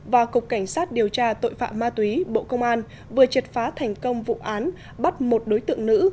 và cục cảnh sát điều tra tội phạm ma túy bộ công an vừa triệt phá thành công vụ án bắt một đối tượng nữ